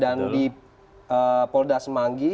dan di polda semanggi